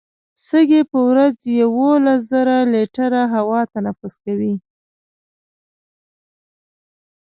سږي په ورځ یوولس زره لیټره هوا تنفس کوي.